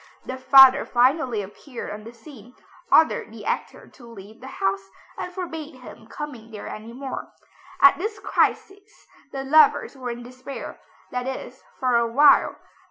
The father finally appeared on the scene, ordered the actor to leave the house, and forbade him coming there any more. At this crisis the lovers were in despair, that is for a while.